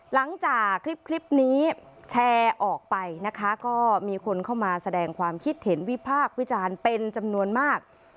หลังจากคลิปนี้แชร์ออกไปนะคะก็มีคนเข้ามาแสดงความคิดเห็นวิพากษ์วิจารณ์เป็นจำนวนมาก